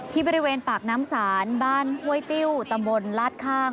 ที่บริเวณปากน้ำศาลบ้านห้วยติ้วตำบลลาดข้าง